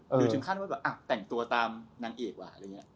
หรือถึงขั้นว่าแอบแต่งตัวตามนางเอกว่า